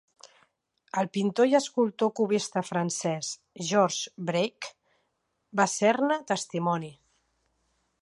El pintor i escultor cubista francès, Georges Braque, va ser-ne testimoni.